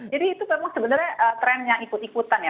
jadi itu memang sebenarnya trendnya ikut ikutan ya